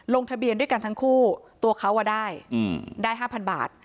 ลงทะเบียนด้วยกันทั้งคู่ตัวเขาได้ได้๕๐๐บาท